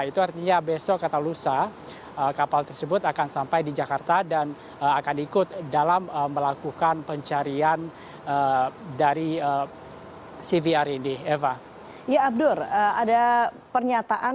itu artinya besok kata lusa kapal tersebut akan sampai di jakarta dan akan ikut dalam melakukan pencarian dari cvr ini